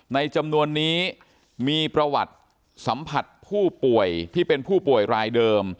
จำนวนนี้มีประวัติสัมผัสผู้ป่วยที่เป็นผู้ป่วยรายเดิม